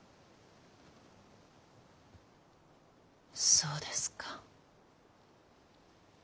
そうですか。